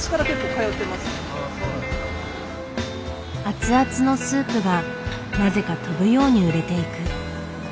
熱々のスープがなぜか飛ぶように売れていく。